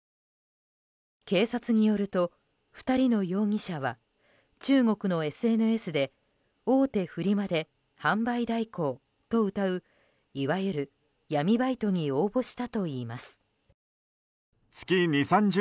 警察によると２人の容疑者は中国のＳＮＳで大手フリマで販売代行とうたういわゆる闇バイトに応募したといいます。